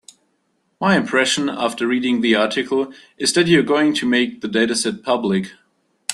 My impression after reading the article is that you are going to make the dataset public.